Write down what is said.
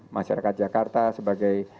masyarakat jakarta sebagai